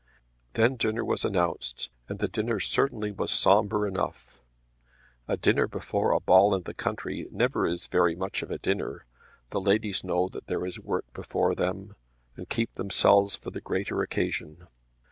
Then dinner was announced, and the dinner certainly was sombre enough. A dinner before a ball in the country never is very much of a dinner. The ladies know that there is work before them, and keep themselves for the greater occasion.